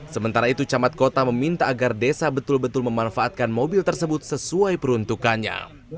sementara itu camat kota meminta agar desa betul betul memanfaatkan mobil tersebut sesuai peruntukannya